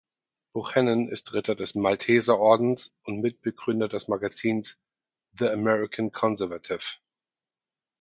Buchanan ist Ritter des "Malteserordens" und Mitbegründer des Magazins "The American Conservative".